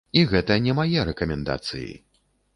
І гэта не мае рэкамендацыі.